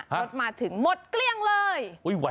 รถมาถึงหมดเกลี้ยงเลย